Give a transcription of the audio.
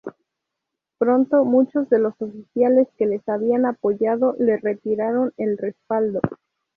Pronto muchos de los oficiales que le habían apoyado le retiraron el respaldo.